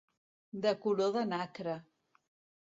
De color de nacre.